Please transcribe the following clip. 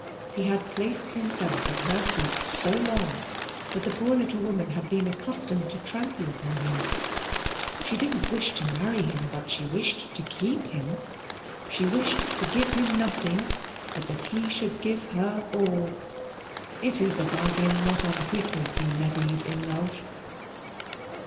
He had placed himself at her feet so long that the poor little woman had been accustomed to trample upon him. She didn't wish to marry him, but she wished to keep him. She wished to give him nothing, but that he should give her all. It is a bargain not unfrequently levied in love.